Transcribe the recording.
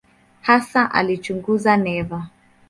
Hasa alichunguza neva.